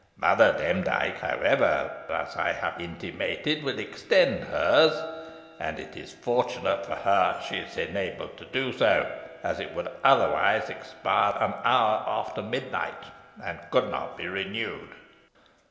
Mother Demdike, however, as I have intimated, will extend hers, and it is fortunate for her she is enabled to do so, as it would otherwise expire an hour after midnight, and could not be renewed."